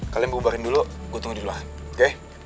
kalian berubahin dulu gue tunggu di luar oke